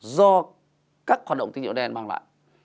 do các hoạt động tính dụng đen mang lại